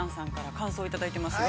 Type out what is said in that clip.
感想をいただいていますよ。